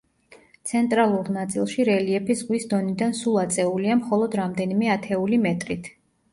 ცენტრალურ ნაწილში რელიეფი ზღვის დონიდან სულ აწეულია მხოლოდ რამდენიმე ათეული მეტრით.